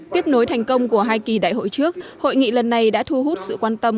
tiếp nối thành công của hai kỳ đại hội trước hội nghị lần này đã thu hút sự quan tâm